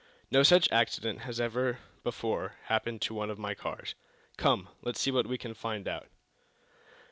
No such accident has ever before happened to one of my cars. Come; let's see what we can find out."